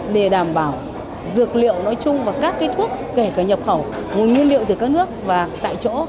để đảm bảo dược liệu nói chung và các thuốc kể cả nhập khẩu nguồn nguyên liệu từ các nước và tại chỗ